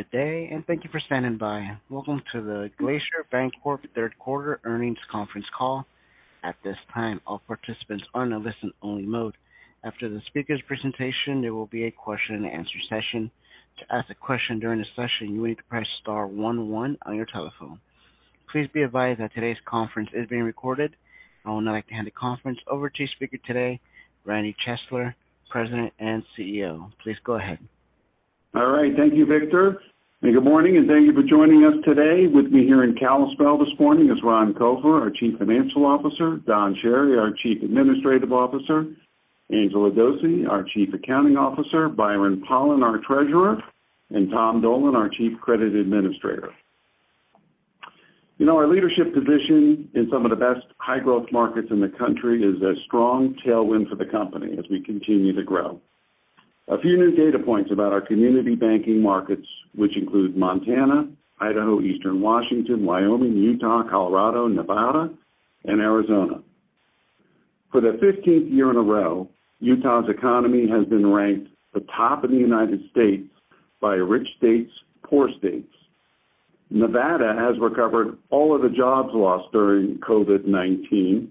Good day, and thank you for standing by. Welcome to the Glacier Bancorp Third Quarter Earnings Conference Call. At this time, all participants are in a listen-only mode. After the speaker's presentation, there will be a question-and-answer session. To ask a question during the session, you need to press star one one on your telephone. Please be advised that today's conference is being recorded. I would now like to hand the conference over to speaker today, Randy Chesler, President and CEO. Please go ahead. All right. Thank you, Victor. Good morning, and thank you for joining us today. With me here in Kalispell this morning is Ron Copher, our Chief Financial Officer, Don Chery, our Chief Administrative Officer, Angela Dose, our Chief Accounting Officer, Byron Pollan, our Treasurer, and Tom Dolan, our Chief Credit Administrator. You know, our leadership position in some of the best high-growth markets in the country is a strong tailwind for the company as we continue to grow. A few new data points about our community banking markets, which include Montana, Idaho, Eastern Washington, Wyoming, Utah, Colorado, Nevada, and Arizona. For the fifteenth year in a row, Utah's economy has been ranked the top in the United States by Rich States, Poor States. Nevada has recovered all of the jobs lost during COVID-19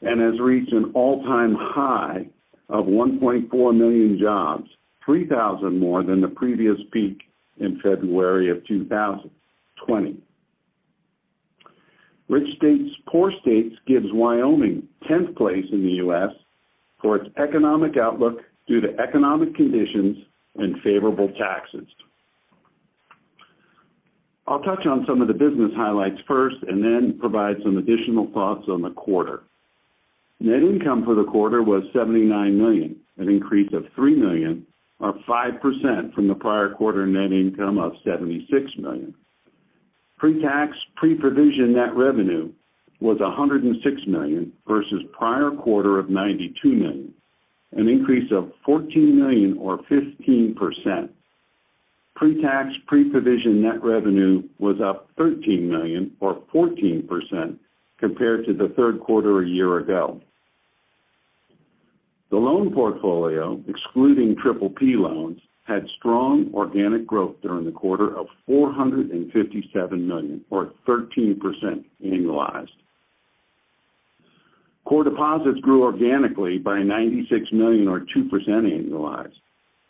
and has reached an all-time high of 1.4 million jobs, 3,000 more than the previous peak in February 2020. Rich States, Poor States gives Wyoming 10th place in the U.S. for its economic outlook due to economic conditions and favorable taxes. I'll touch on some of the business highlights first and then provide some additional thoughts on the quarter. Net income for the quarter was $79 million, an increase of $3 million, or 5% from the prior quarter net income of $76 million. Pre-tax, pre-provision net revenue was $106 million versus prior quarter of $92 million, an increase of $14 million or 15%. Pre-tax, pre-provision net revenue was up $13 million or 14% compared to the third quarter a year ago. The loan portfolio, excluding PPP loans, had strong organic growth during the quarter of $457 million or 13% annualized. Core deposits grew organically by $96 million or 2% annualized.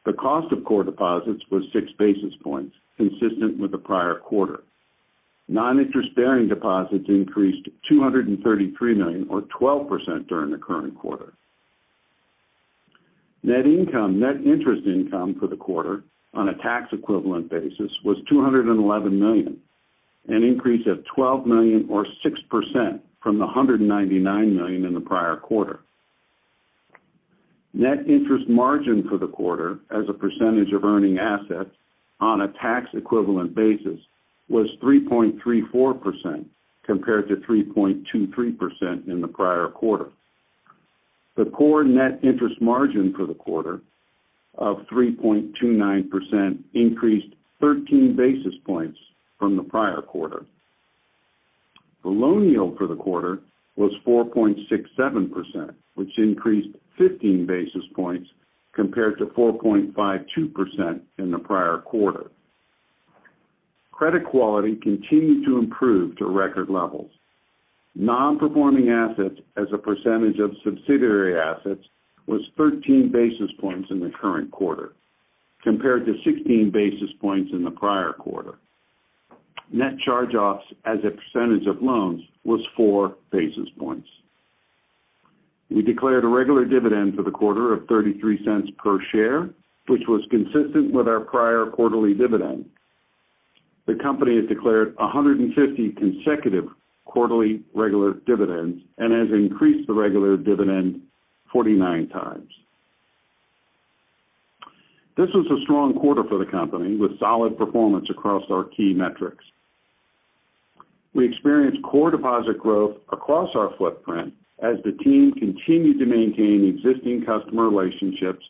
The cost of core deposits was six basis points, consistent with the prior quarter. Non-interest-bearing deposits increased to $233 million or 12% during the current quarter. Net interest income for the quarter on a tax equivalent basis was $211 million, an increase of $12 million or 6% from the $199 million in the prior quarter. Net interest margin for the quarter as a percentage of earning assets on a tax equivalent basis was 3.34% compared to 3.23% in the prior quarter. The core net interest margin for the quarter of 3.29% increased 13 basis points from the prior quarter. The loan yield for the quarter was 4.67%, which increased 15 basis points compared to 4.52% in the prior quarter. Credit quality continued to improve to record levels. Non-performing assets as a percentage of subsidiary assets was 13 basis points in the current quarter compared to 16 basis points in the prior quarter. Net charge-offs as a percentage of loans was four basis points. We declared a regular dividend for the quarter of $0.33 per share, which was consistent with our prior quarterly dividend. The company has declared 150 consecutive quarterly regular dividends and has increased the regular dividend 49x. This was a strong quarter for the company with solid performance across our key metrics. We experienced core deposit growth across our footprint as the team continued to maintain existing customer relationships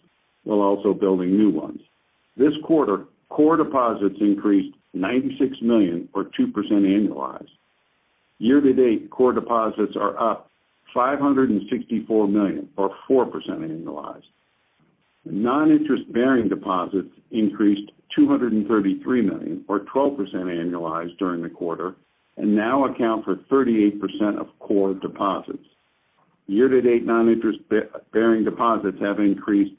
while also building new ones. This quarter, core deposits increased $96 million or 2% annualized. Year to date, core deposits are up $564 million or 4% annualized. Non-interest-bearing deposits increased $233 million or 12% annualized during the quarter and now account for 38% of core deposits. Year to date, non-interest-bearing deposits have increased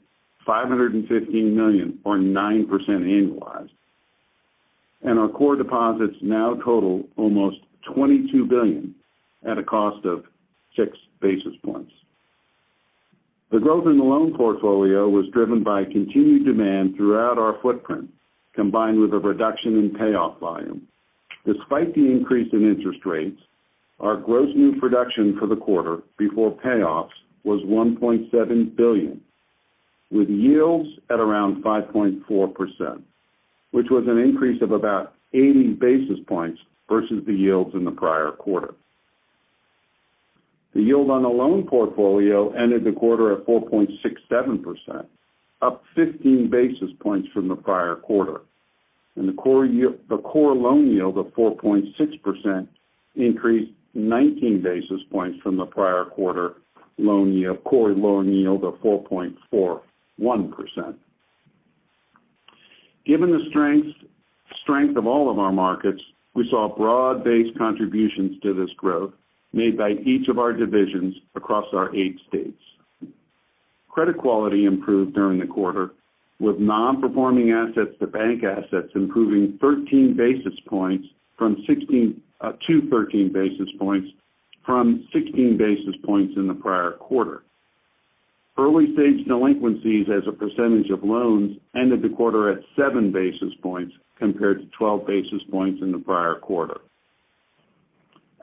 $515 million or 9% annualized. Our core deposits now total almost $22 billion at a cost of six basis points. The growth in the loan portfolio was driven by continued demand throughout our footprint, combined with a reduction in payoff volume. Despite the increase in interest rates, our gross new production for the quarter before payoffs was $1.7 billion, with yields at around 5.4%, which was an increase of about 80 basis points versus the yields in the prior quarter. The yield on the loan portfolio ended the quarter at 4.67%, up 15 basis points from the prior quarter. The core loan yield of 4.6% increased 19 basis points from the prior quarter core loan yield of 4.41%. Given the strength of all of our markets, we saw broad-based contributions to this growth made by each of our divisions across our eight states. Credit quality improved during the quarter, with nonperforming assets to bank assets improving 13 basis points from 16 basis points to 13 basis points in the prior quarter. Early-stage delinquencies as a percentage of loans ended the quarter at seven basis points compared to 12 basis points in the prior quarter.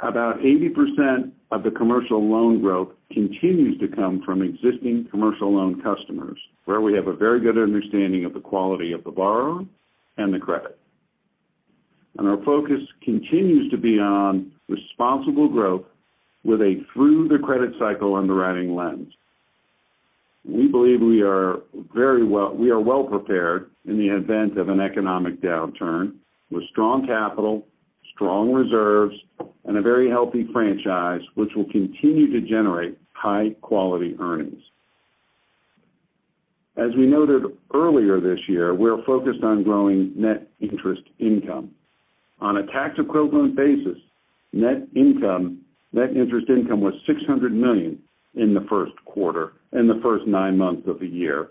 About 80% of the commercial loan growth continues to come from existing commercial loan customers, where we have a very good understanding of the quality of the borrower and the credit. Our focus continues to be on responsible growth with a through-the-credit-cycle underwriting lens. We believe we are well-prepared in the event of an economic downturn, with strong capital, strong reserves, and a very healthy franchise which will continue to generate high-quality earnings. As we noted earlier this year, we're focused on growing net interest income. On a tax-equivalent basis, net interest income was $600 million in the first nine months of the year,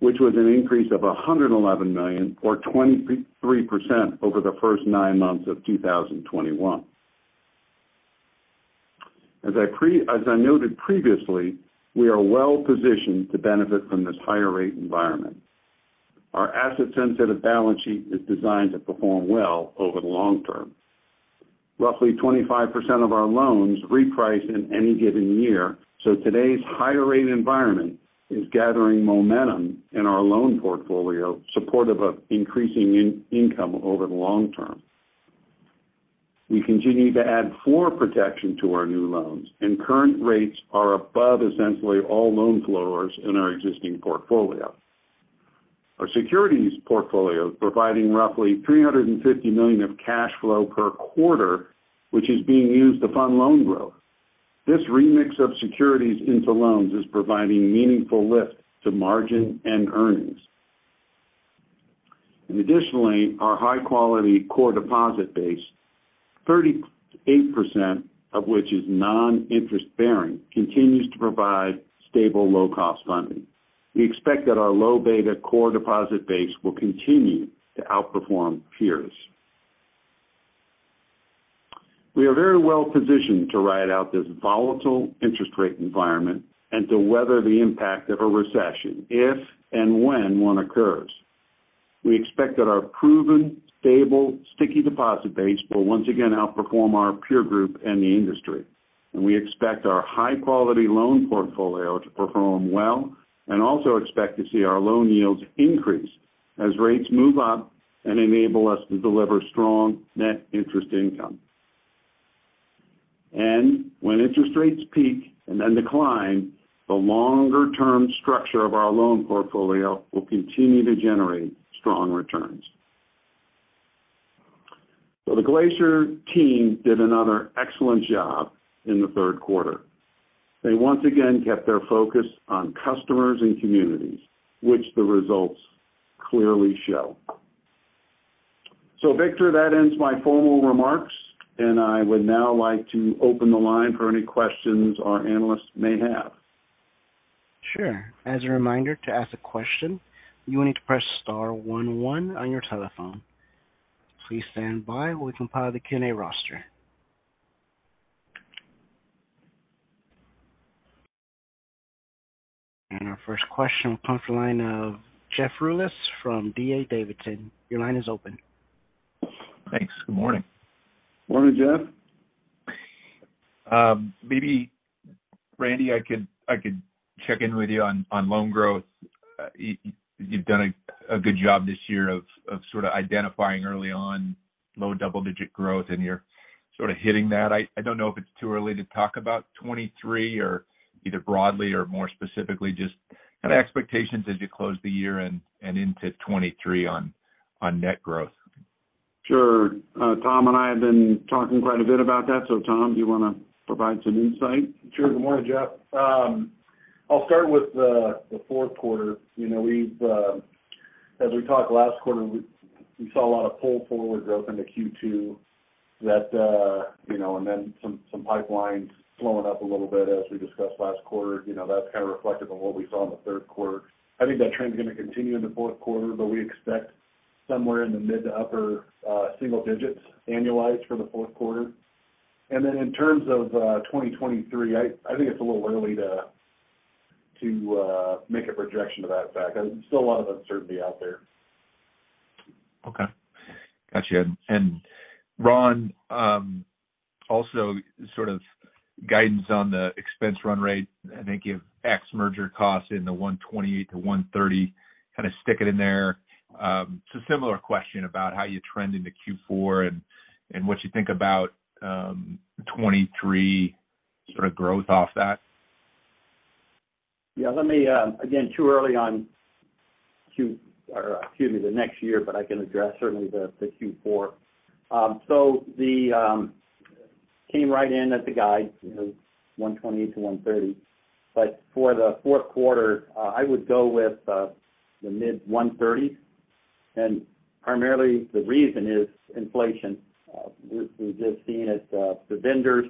which was an increase of $111 million or 23% over the first nine months of 2021. As I noted previously, we are well positioned to benefit from this higher rate environment. Our asset-sensitive balance sheet is designed to perform well over the long term. Roughly 25% of our loans reprice in any given year, so today's higher rate environment is gathering momentum in our loan portfolio, supportive of increasing income over the long term. We continue to add floor protection to our new loans, and current rates are above essentially all loan floors in our existing portfolio. Our securities portfolio is providing roughly $350 million of cash flow per quarter, which is being used to fund loan growth. This remix of securities into loans is providing meaningful lift to margin and earnings. Additionally, our high-quality core deposit base, 38% of which is non-interest bearing, continues to provide stable low-cost funding. We expect that our low beta core deposit base will continue to outperform peers. We are very well positioned to ride out this volatile interest rate environment and to weather the impact of a recession if and when one occurs. We expect that our proven, stable, sticky deposit base will once again outperform our peer group and the industry. We expect our high-quality loan portfolio to perform well and also expect to see our loan yields increase as rates move up and enable us to deliver strong net interest income. When interest rates peak and then decline, the longer-term structure of our loan portfolio will continue to generate strong returns. The Glacier team did another excellent job in the third quarter. They once again kept their focus on customers and communities, which the results clearly show. Victor, that ends my formal remarks, and I would now like to open the line for any questions our analysts may have. Sure. As a reminder, to ask a question, you will need to press star one one on your telephone. Please stand by while we compile the Q&A roster. Our first question will come from the line of Jeff Rulis from D.A. Davidson. Your line is open. Thanks. Good morning. Morning, Jeff. Maybe Randy, I could check in with you on loan growth. You've done a good job this year of sort of identifying early on low double-digit growth, and you're sort of hitting that. I don't know if it's too early to talk about 2023 or either broadly or more specifically, just kind of expectations as you close the year and into 2023 on net growth. Sure. Tom and I have been talking quite a bit about that. Tom, do you wanna provide some insight? Sure. Good morning, Jeff. I'll start with the fourth quarter. You know, we've as we talked last quarter, we saw a lot of pull-forward growth into Q2 that you know and then some pipelines slowing up a little bit as we discussed last quarter. You know, that's kind of reflective of what we saw in the third quarter. I think that trend's gonna continue in the fourth quarter, but we expect somewhere in the mid to upper single digits annualized for the fourth quarter. In terms of 2023, I think it's a little early to make a projection to that effect. There's still a lot of uncertainty out there. Okay. Gotcha. Ron, also sort of guidance on the expense run rate. I think you have ex-merger costs in the $128-$130, kind of stick it in there. It's a similar question about how you trend into Q4 and what you think about 2023 sort of growth off that. Yeah, let me again, too early on the next year, but I can address certainly the Q4. The NIM came right in at the guide, you know, 120-130. For the fourth quarter, I would go with the mid-130s. Primarily the reason is inflation. We've just seen it, the vendors,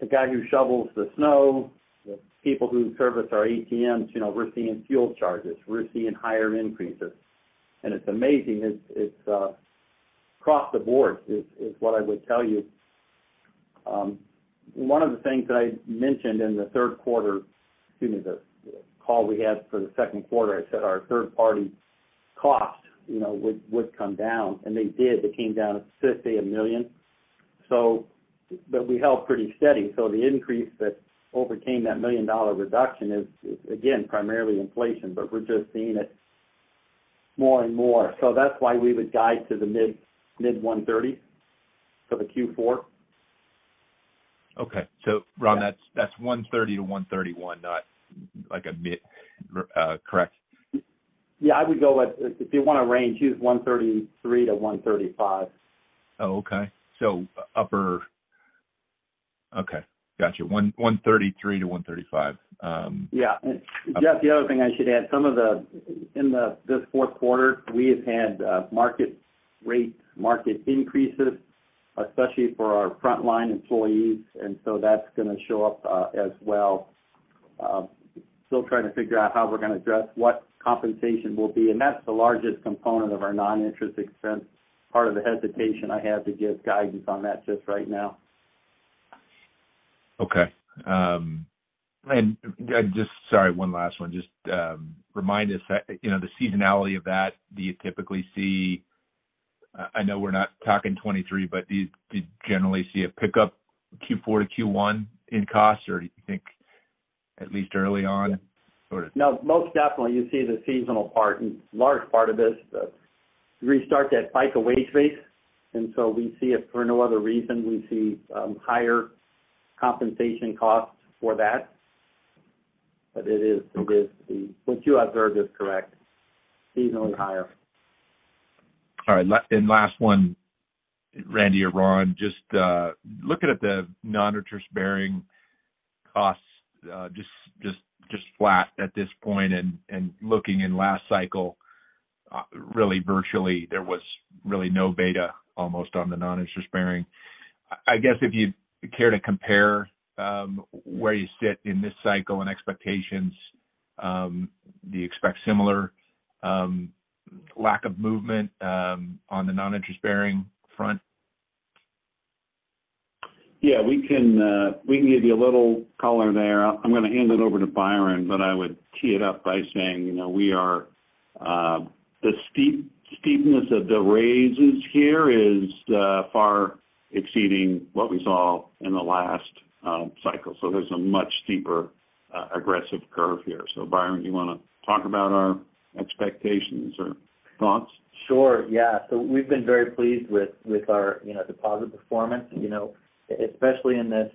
the guy who shovels the snow, the people who service our ATMs, you know, we're seeing fuel charges, we're seeing higher increases. It's amazing. It's across the board, what I would tell you. One of the things that I mentioned in the call we had for the second quarter, I said our third-party costs, you know, would come down. They did. They came down, let's just say $1 million. We held pretty steady. The increase that overcame that $1 million-dollar reduction is again, primarily inflation, but we're just seeing it more and more. That's why we would guide to the mid 130 for the Q4. Okay. Ron, that's Yeah. That's $130-$131, not like a mid, correct? Yeah, I would go with, if you want a range, use $133-$135. Oh, okay. Okay, got you $133-$135. Yeah. Okay. Jeff, the other thing I should add, this fourth quarter we have had market rates, market increases, especially for our frontline employees. That's gonna show up as well. Still trying to figure out how we're gonna address what compensation will be. That's the largest component of our non-interest expense. Part of the hesitation I have to give guidance on that just right now. Okay. Sorry, one last one. Just, remind us, you know, the seasonality of that, do you typically see I know we're not talking 2023, but do you generally see a pickup Q4 to Q1 in costs, or do you think at least early on sort of? No, most definitely you see the seasonal part, a large part of this, reset of the FICA wage base. We see it, for no other reason, higher compensation costs for that. But it is. Okay. What you observed is correct. Seasonally higher. All right. Last one, Randy or Ron, just looking at the non-interest-bearing deposits, just flat at this point and looking in last cycle, really virtually there was really no beta almost on the non-interest-bearing. I guess if you care to compare, where you sit in this cycle and expectations, do you expect similar lack of movement on the non-interest-bearing front? Yeah, we can give you a little color there. I'm gonna hand it over to Byron, but I would tee it up by saying, you know, we are the steepness of the raises here is far exceeding what we saw in the last cycle. Byron, you wanna talk about our expectations or thoughts? Sure, yeah. We've been very pleased with our, you know, deposit performance, you know, especially in this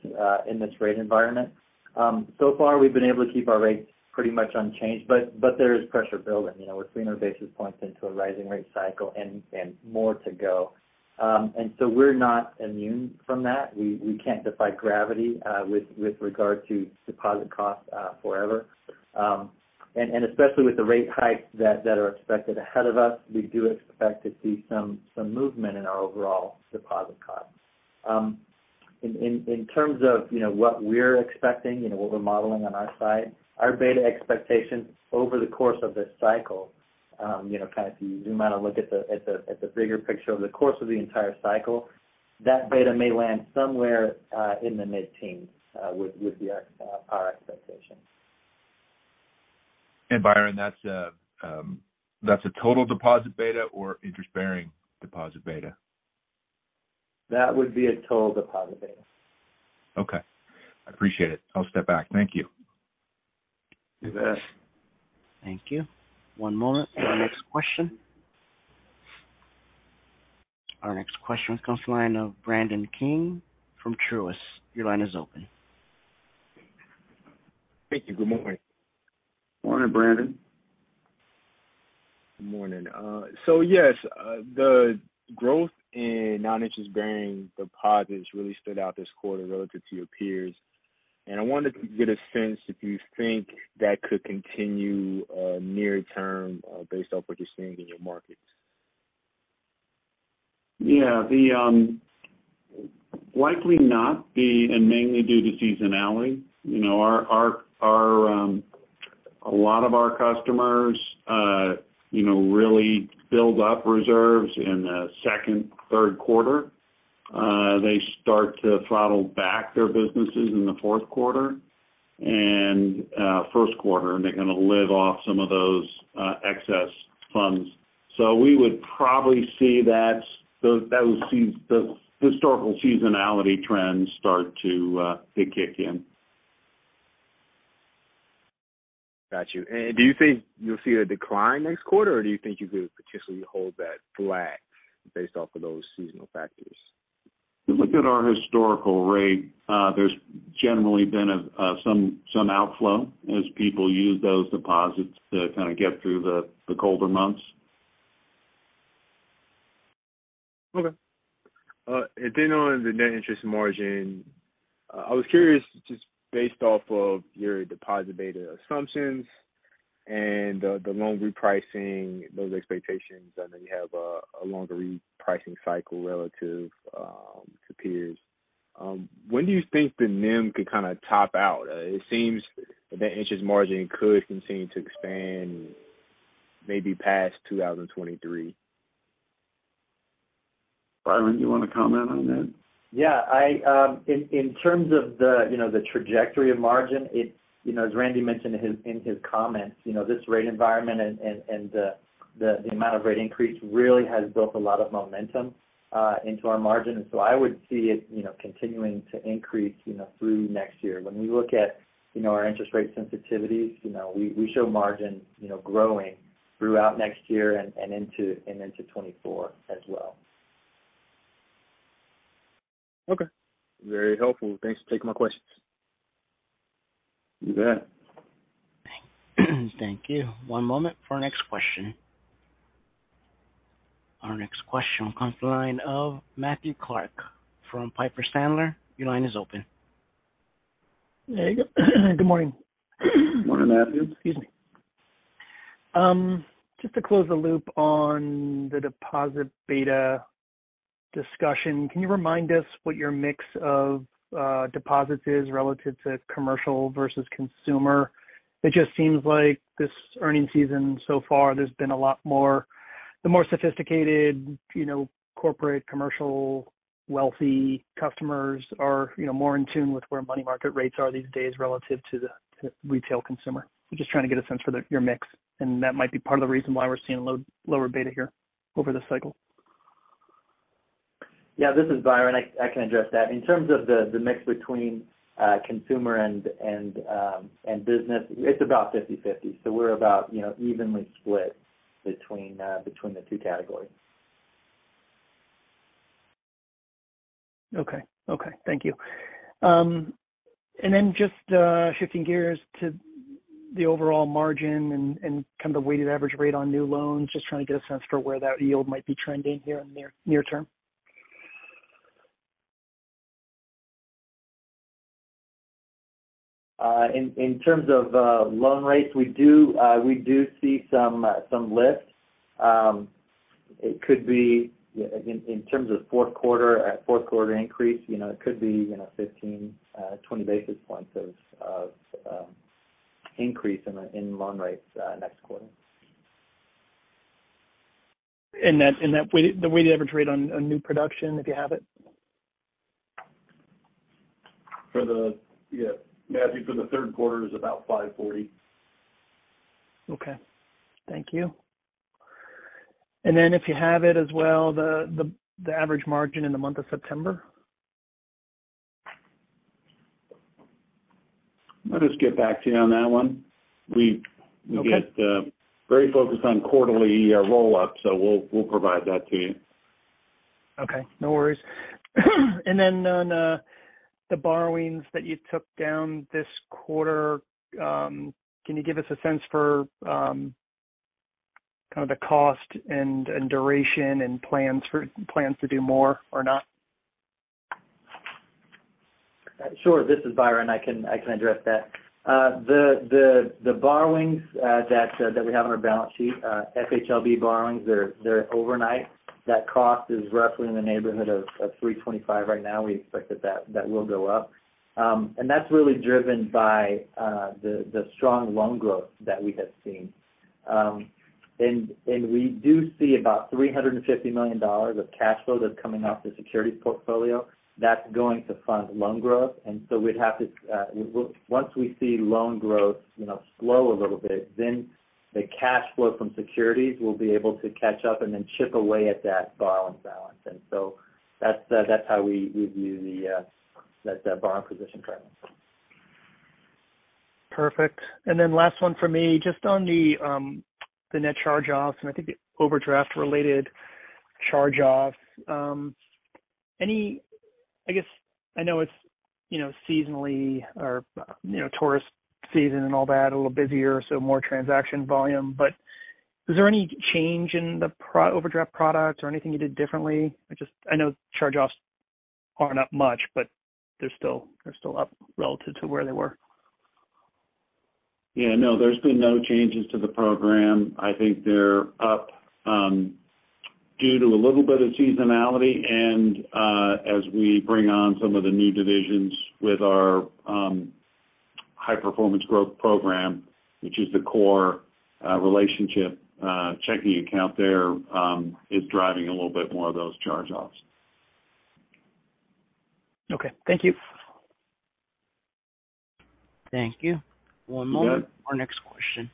rate environment. So far we've been able to keep our rates pretty much unchanged, but there is pressure building. You know, we're seeing our basis points into a rising rate cycle and more to go. We're not immune from that. We can't defy gravity with regard to deposit costs forever. Especially with the rate hikes that are expected ahead of us, we do expect to see some movement in our overall deposit costs. In terms of what we're expecting, you know, what we're modeling on our side, our beta expectations over the course of this cycle, you know, kind of if you zoom out and look at the bigger picture over the course of the entire cycle, that beta may land somewhere in the mid-teens, would be our expectation. Byron, that's a total deposit beta or interest-bearing deposit beta? That would be a total deposit beta. Okay, I appreciate it. I'll step back. Thank you. You bet. Thank you. One moment for our next question. Our next question comes from the line of Brandon King from Truist. Your line is open. Thank you. Good morning. Morning, Brandon. Good morning. Yes, the growth in non-interest-bearing deposits really stood out this quarter relative to your peers. I wanted to get a sense if you think that could continue near term based off what you're seeing in your markets? Yeah. It likely won't be and mainly due to seasonality. You know, a lot of our customers, you know, really build up reserves in the second, third quarter. They start to throttle back their businesses in the fourth quarter and first quarter, and they're gonna live off some of those excess funds. We would probably see the historical seasonality trends start to kick in. Got you. Do you think you'll see a decline next quarter, or do you think you could potentially hold that flat based off of those seasonal factors? If you look at our historical rate, there's generally been some outflow as people use those deposits to kind of get through the colder months. Okay. On the net interest margin, I was curious just based off of your deposit beta assumptions and the loan repricing, those expectations, and then you have a longer repricing cycle relative to peers. When do you think the NIM could kind of top out? It seems the interest margin could continue to expand maybe past 2023. Byron, you want to comment on that? Yeah. In terms of the trajectory of margin, you know, it's, you know, as Randy mentioned in his comments, you know, this rate environment and the amount of rate increase really has built a lot of momentum into our margin. I would see it, you know, continuing to increase, you know, through next year. When we look at our interest rate sensitivities, you know, we show margin, you know, growing throughout next year and into 2024 as well. Okay. Very helpful. Thanks for taking my questions. You bet. Thank you. One moment for our next question. Our next question comes from the line of Matthew Clark from Piper Sandler. Your line is open. There you go. Good morning. Morning, Matthew. Excuse me. Just to close the loop on the deposit beta discussion, can you remind us what your mix of deposits is relative to commercial versus consumer? It just seems like this earnings season so far, there's been a lot more. The more sophisticated, you know, corporate, commercial, wealthy customers are, you know, more in tune with where money market rates are these days relative to the retail consumer. I'm just trying to get a sense for your mix, and that might be part of the reason why we're seeing lower beta here over the cycle. Yeah, this is Byron. I can address that. In terms of the mix between consumer and business, it's about 50/50. We're about, you know, evenly split between the two categories. Okay. Thank you. Just shifting gears to the overall margin and kind of the weighted average rate on new loans, just trying to get a sense for where that yield might be trending here near term. In terms of loan rates, we do see some lift. It could be, in terms of fourth quarter, a fourth quarter increase, you know, it could be 15-20 basis points of increase in loan rates next quarter. The weighted average rate on new production, if you have it? Yeah, Matthew, for the third quarter is about 540. Okay. Thank you. If you have it as well, the average margin in the month of September. Let us get back to you on that one. Okay. We get very focused on quarterly roll-ups, so we'll provide that to you. Okay. No worries. On the borrowings that you took down this quarter, can you give us a sense for kind of the cost and duration and plans to do more or not? Sure. This is Byron. I can address that. The borrowings that we have on our balance sheet, FHLB borrowings, they're overnight. That cost is roughly in the neighborhood of 3.25% right now. We expect that will go up. That's really driven by the strong loan growth that we have seen. We do see about $350 million of cash flow that's coming off the securities portfolio. That's going to fund loan growth. We'd have to once we see loan growth you know slow a little bit, then the cash flow from securities will be able to catch up and then chip away at that borrowing balance. That's how we view that borrowing position trend. Perfect. Then last one for me, just on the net charge-offs, and I think the overdraft related charge-offs. Any, I guess I know it's, you know, seasonally or, you know, tourist season and all that, a little busier, so more transaction volume. But is there any change in the overdraft products or anything you did differently? I just know charge-offs are not much, but they're still up relative to where they were. Yeah, no, there's been no changes to the program. I think they're up due to a little bit of seasonality and as we bring on some of the new divisions with our High Performance Growth program, which is the core relationship checking account there, is driving a little bit more of those charge-offs. Okay. Thank you. Thank you. One moment. You bet. Our next question.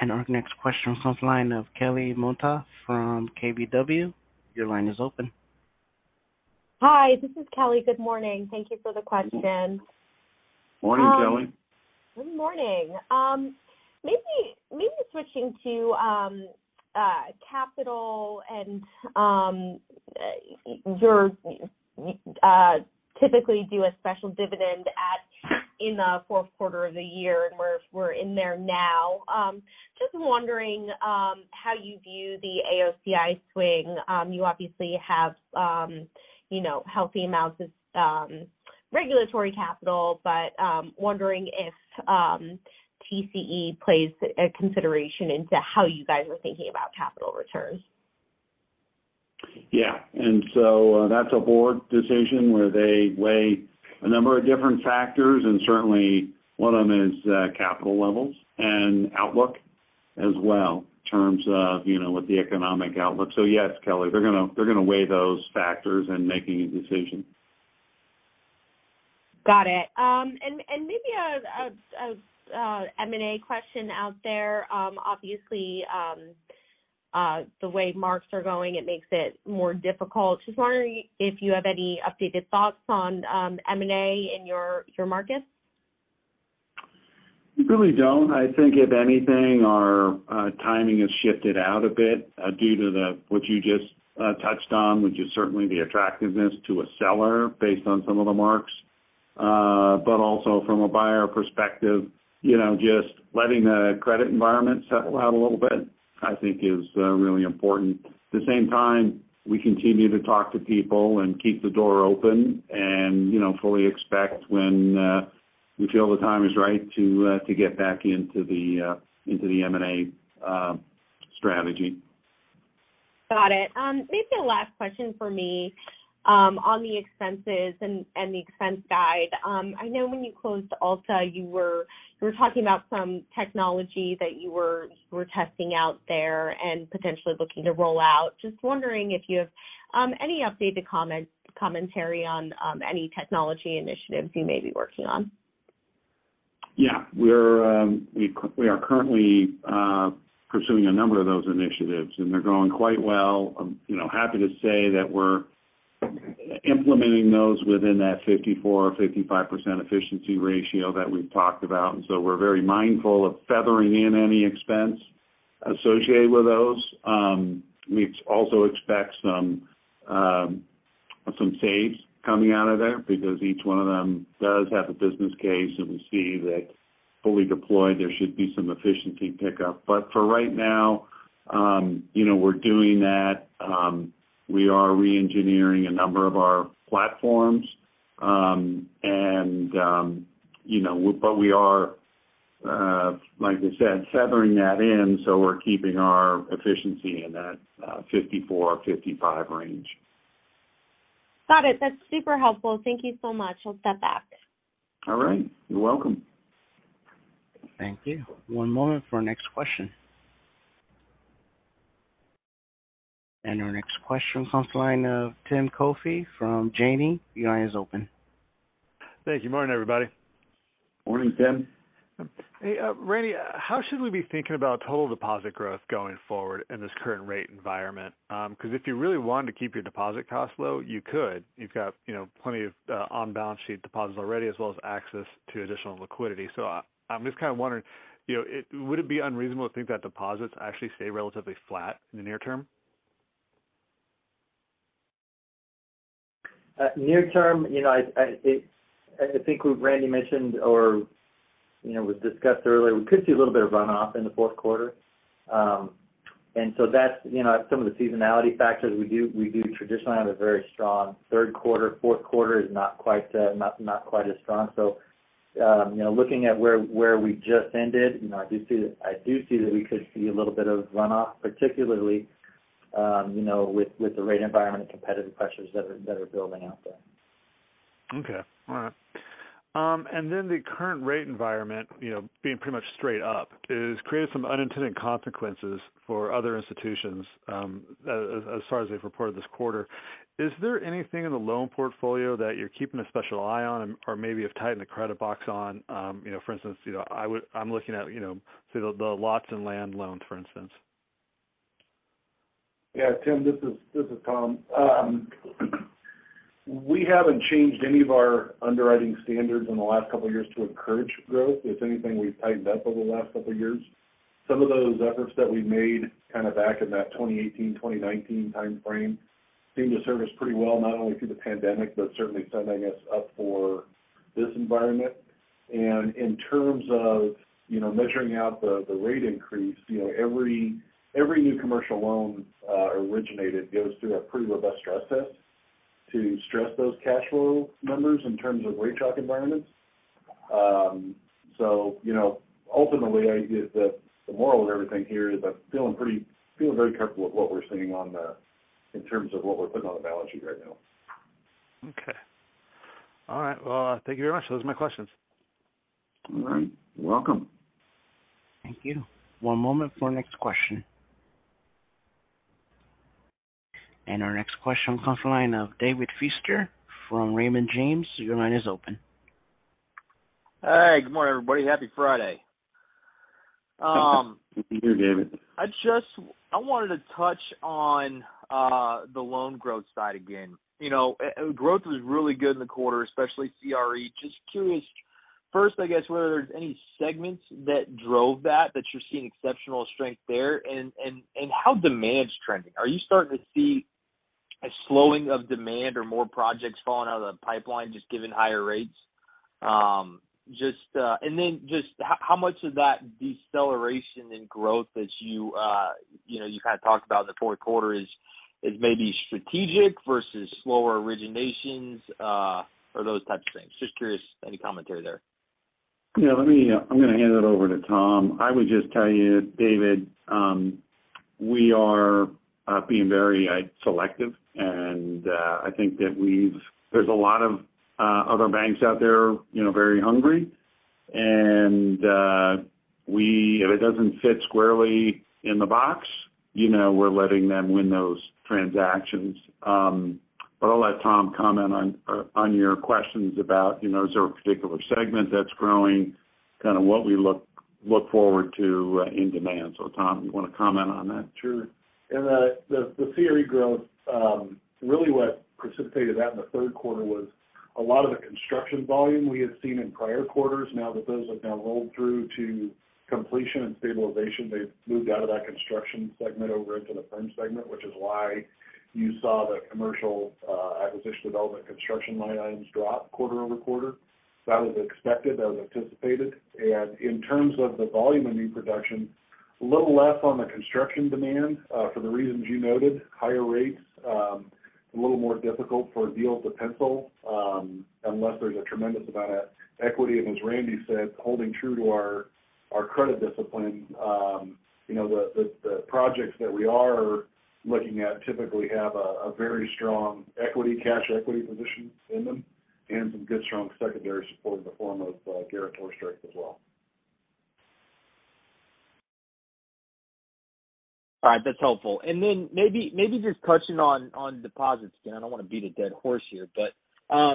Our next question comes from the line of Kelly Motta from KBW. Your line is open. Hi, this is Kelly. Good morning. Thank you for the question. Morning, Kelly. Good morning. Maybe switching to capital and you typically do a special dividend in the fourth quarter of the year, and we're in there now. Just wondering how you view the AOCI swing. You obviously have, you know, healthy amounts of regulatory capital, but wondering if TCE plays a consideration into how you guys are thinking about capital returns. Yeah. That's a board decision where they weigh a number of different factors, and certainly one of them is capital levels and outlook as well in terms of, you know, with the economic outlook. Yes, Kelly, they're gonna weigh those factors in making a decision. Got it. Maybe a M&A question out there. Obviously, the way markets are going, it makes it more difficult. Just wondering if you have any updated thoughts on M&A in your markets. We really don't. I think if anything our timing has shifted out a bit due to what you just touched on, which is certainly the attractiveness to a seller based on some of the marks. Also from a buyer perspective, you know, just letting the credit environment settle out a little bit, I think is really important. At the same time, we continue to talk to people and keep the door open and, you know, fully expect when we feel the time is right to get back into the M&A strategy. Got it. Maybe the last question for me, on the expenses and the expense guide. I know when you closed AltaBancorp, you were talking about some technology that you were testing out there and potentially looking to roll out. Just wondering if you have any updated commentary on any technology initiatives you may be working on. Yeah. We are currently pursuing a number of those initiatives, and they're going quite well. You know, happy to say that we're implementing those within that 54%-55% efficiency ratio that we've talked about. We're very mindful of feathering in any expense associated with those. We also expect some saves coming out of there because each one of them does have a business case, and we see that fully deployed, there should be some efficiency pickup. For right now, you know, we're doing that. We are re-engineering a number of our platforms, and you know, like I said, feathering that in, so we're keeping our efficiency in that 54%-55% range. Got it. That's super helpful. Thank you so much. I'll step back. All right. You're welcome. Thank you. One moment for our next question. Our next question comes from the line of Tim Coffey from Janney. Your line is open. Thank you. Morning, everybody. Morning, Tim. Hey, Randy, how should we be thinking about total deposit growth going forward in this current rate environment? Because if you really wanted to keep your deposit costs low, you could. You've got, you know, plenty of on-balance sheet deposits already, as well as access to additional liquidity. I'm just kind of wondering, you know, would it be unreasonable to think that deposits actually stay relatively flat in the near term? Near term, you know, I think Randy mentioned or, you know, was discussed earlier, we could see a little bit of runoff in the fourth quarter. That's, you know, some of the seasonality factors. We do traditionally have a very strong third quarter. Fourth quarter is not quite as strong. You know, looking at where we just ended, you know, I do see that we could see a little bit of runoff, particularly, you know, with the rate environment and competitive pressures that are building out there. Okay. All right. The current rate environment, you know, being pretty much straight up, has created some unintended consequences for other institutions, as far as they've reported this quarter. Is there anything in the loan portfolio that you're keeping a special eye on or maybe have tightened the credit box on? You know, for instance, you know, I'm looking at, you know, say the lots and land loans, for instance. Yeah, Tim, this is Tom. We haven't changed any of our underwriting standards in the last couple of years to encourage growth. If anything, we've tightened up over the last couple of years. Some of those efforts that we made kinda back in that 2018, 2019 timeframe seem to serve us pretty well, not only through the pandemic, but certainly setting us up for this environment. In terms of, you know, measuring out the rate increase, you know, every new commercial loan originated goes through a pretty robust stress test to stress those cash flow numbers in terms of rate shock environments. So, you know, ultimately, the moral of everything here is I'm feeling very comfortable with what we're seeing in terms of what we're putting on the balance sheet right now. Okay. All right. Well, thank you very much. Those are my questions. All right. You're welcome. Thank you. One moment for our next question. Our next question comes from the line of David Feaster from Raymond James. Your line is open. Hey, good morning, everybody. Happy Friday. You too, David. I wanted to touch on the loan growth side again. You know, growth was really good in the quarter, especially CRE. Just curious. First, I guess, were there any segments that drove that you're seeing exceptional strength there? How demand's trending. Are you starting to see a slowing of demand or more projects falling out of the pipeline just given higher rates? Then just how much of that deceleration in growth that you know you kind of talked about in the fourth quarter is maybe strategic versus slower originations or those types of things? Just curious, any commentary there. Yeah, I'm gonna hand it over to Tom. I would just tell you, David, we are being very selective, and I think that there's a lot of other banks out there, you know, very hungry. If it doesn't fit squarely in the box, you know, we're letting them win those transactions. But I'll let Tom comment on your questions about, you know, is there a particular segment that's growing, kind of what we look forward to in demand. Tom, you wanna comment on that too? Yeah. The CRE growth really what precipitated that in the third quarter was a lot of the construction volume we had seen in prior quarters. Now that those have rolled through to completion and stabilization, they've moved out of that construction segment over into the firm segment, which is why you saw the commercial acquisition development construction line items drop quarter over quarter. That was expected, that was anticipated. In terms of the volume in new production, a little less on the construction demand for the reasons you noted. Higher rates, a little more difficult for deals to pencil, unless there's a tremendous amount of equity. As Randy said, holding true to our credit discipline, you know, the projects that we are looking at typically have a very strong equity, cash equity position in them and some good strong secondary support in the form of guarantor strength as well. All right. That's helpful. Then maybe just touching on deposits. Again, I don't wanna beat a dead horse here.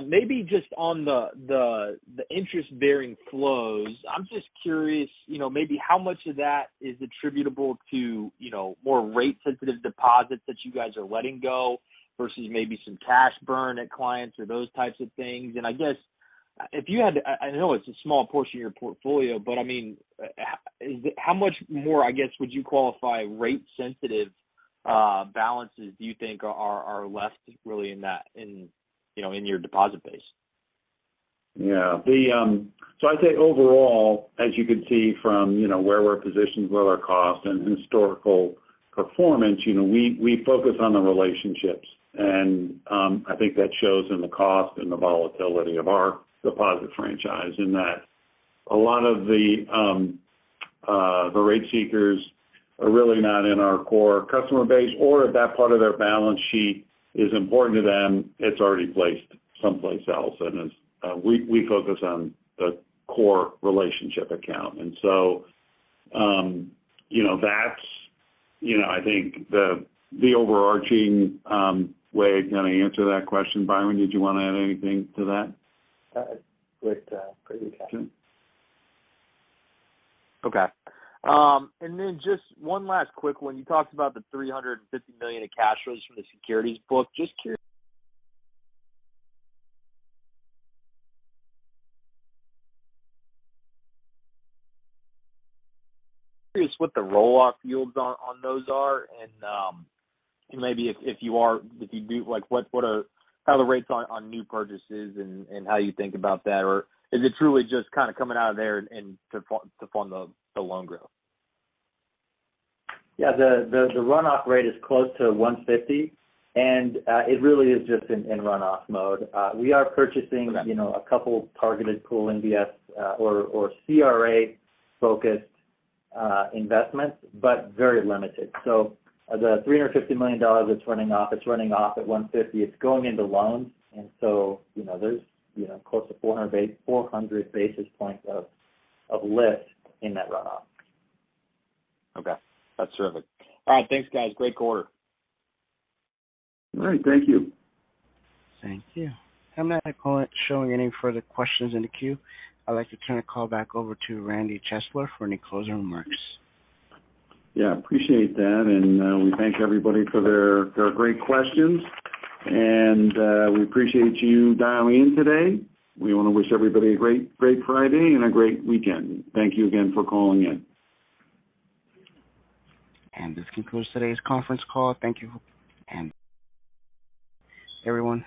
Maybe just on the interest-bearing flows, I'm just curious, you know, maybe how much of that is attributable to, you know, more rate-sensitive deposits that you guys are letting go versus maybe some cash burn at clients or those types of things. I guess I know it's a small portion of your portfolio, but I mean, how much more, I guess, would you qualify rate sensitive balances do you think are left really in that, you know, in your deposit base? Yeah. So I'd say overall, as you can see from, you know, where we're positioned with our cost and historical performance, you know, we focus on the relationships. I think that shows in the cost and the volatility of our deposit franchise in that a lot of the rate seekers are really not in our core customer base or if that part of their balance sheet is important to them, it's already placed someplace else. It's we focus on the core relationship account. You know, that's, you know, I think the overarching way to kinda answer that question. Byron, did you wanna add anything to that? Great, great. Okay. Okay. Just one last quick one. You talked about the $350 million of cash flows from the securities book. Just curious what the roll-off yields are on those and maybe if you do like what are how the rates on new purchases and how you think about that or is it truly just kind of coming out of there to fund the loan growth. Yeah. The runoff rate is close to 150, and it really is just in runoff mode. We are purchasing- Got it. You know, a couple targeted pool MBS, or CRA-focused investments, but very limited. Of the $350 million that's running off, it's running off at 1.50%. It's going into loans. You know, there's, you know, close to 400 basis points of lift in that run off. Okay. That's terrific. All right. Thanks, guys. Great quarter. All right. Thank you. Thank you. I'm not showing any further questions in the queue. I'd like to turn the call back over to Randy Chesler for any closing remarks. Yeah. Appreciate that. We thank everybody for their great questions. We appreciate you dialing in today. We wanna wish everybody a great Friday and a great weekend. Thank you again for calling in. This concludes today's conference call. Thank you and everyone.